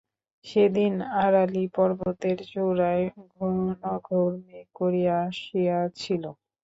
সেদিন আরালী পর্বতের চূড়ায় ঘনঘোর মেঘ করিয়া আসিয়াছিল।